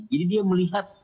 jadi dia melihat